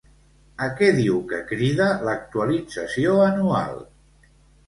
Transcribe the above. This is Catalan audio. A què diu que crida l'actualització anual?